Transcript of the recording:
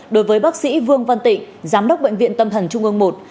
đối với bác sĩ vương văn tịnh giám đốc bệnh viện tâm thần trung ương i